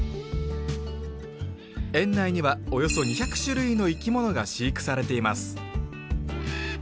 園内にはおよそ２００種類の生き物が飼育されています